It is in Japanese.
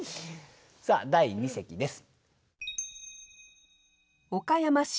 さあ第二席です。